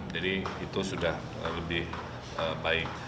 jadi itu sudah lebih baik